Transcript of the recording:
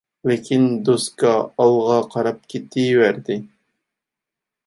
لېكىن، «دوسكا» ئالغا قاراپ كېتىۋەردى،